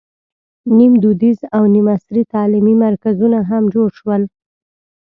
نیم دودیز او نیم عصري تعلیمي مرکزونه هم جوړ شول.